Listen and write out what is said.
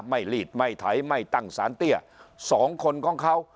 ลีดไม่ไถไม่ตั้งสารเตี้ยสองคนของเขา